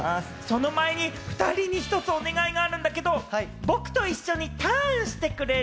その前に２人に一つお願いがあるんだけど、僕と一緒にターンしてくれる？